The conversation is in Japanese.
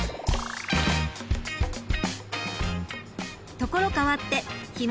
ところ変わってひむ